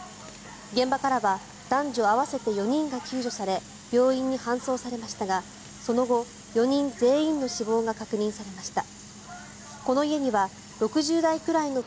現場からは男女合わせて４人が救助され病院に搬送されましたがその後４人全員の死亡が確認されました。